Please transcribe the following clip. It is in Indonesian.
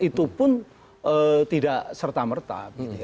itu pun tidak serta merta